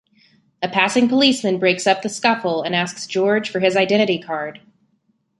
A passing policeman breaks up the scuffle and asks George for his identity card.